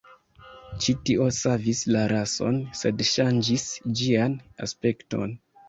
Ĉi tio savis la rason, sed ŝanĝis ĝian aspekton.